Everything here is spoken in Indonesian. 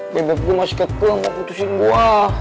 bebek gue masih ketul nggak putusin gue